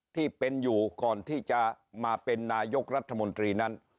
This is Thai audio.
ที่เป็นอยู่ก่อนที่จะมาเป็นนายกรัฐมนตรีนั้น